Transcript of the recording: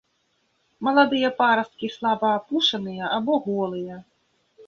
Маладыя парасткі слаба апушаныя або голыя.